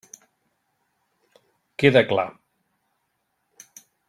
Queda clar.